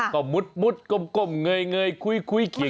ก็มุดกมเงยคุยเกียร์